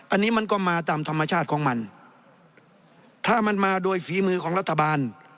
อันนี้มันก็มาตามธรรมชาติของมันถ้ามันมาโดยฝีมือของรัฐบาล